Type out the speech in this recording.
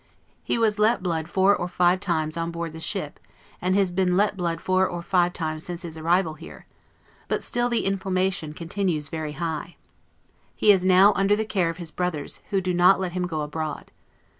He was let blood four times on board the ship, and has been let blood four times since his arrival here; but still the inflammation continues very high. He is now under the care of his brothers, who do not let him go abroad.